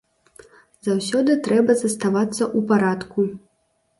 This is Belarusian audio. Заўсёды трэба заставацца ў парадку.